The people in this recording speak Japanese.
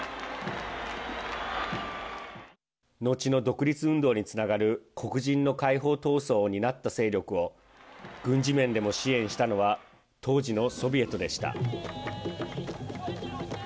後の独立運動につながる黒人の解放闘争を担った勢力を軍事面でも支援したのは当時のソビエトでした。